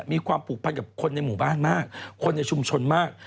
มีความผูกพันกับคนในหมู่บ้านมากคนในชุมชนมาก